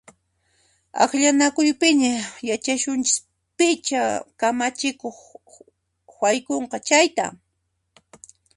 Akllanakuypiña yachasunchis picha kamachikuq haykunqa chayta!